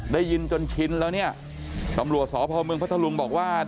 ได้ยินจนชินแล้วเนี่ยตำรวจสพเมืองพัทธลุงบอกว่า